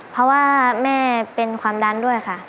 เพราะว่าแม่เป็นความดันด้วยค่ะ